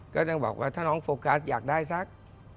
ก็ยังบอกว่าถ้าน้องโฟกัสอยากได้สัก